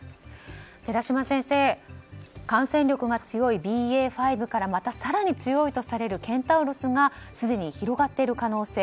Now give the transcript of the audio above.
寺嶋先生感染力が強いＢＡ．５からまた更に強いとされるケンタウロスがすでに広がっている可能性。